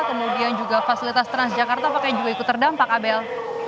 kemudian juga fasilitas transjakarta pakai juga ikut terdampak abel